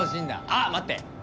あっ待って！